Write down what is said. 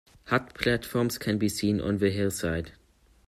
Hut platforms can be seen on the hillside.